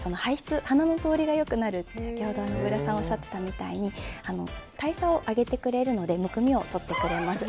鼻の通りがよくなるって先ほど小倉さんがおっしゃっていたみたいに代謝を上げてくれるのでむくみを取ってくれます。